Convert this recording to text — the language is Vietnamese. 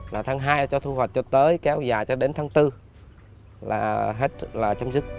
là tháng hai cho thu hoạch sắp tới kéo dài cho đến tháng bốn là hết là chấm dứt